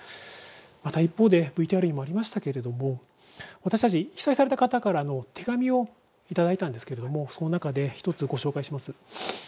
また一方でＶＴＲにもありましたけども私たち被災された方の手紙をいただいたんですがその中で１つご紹介します。